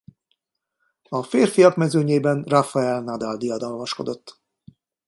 A férfiak mezőnyében Rafael Nadal diadalmaskodott.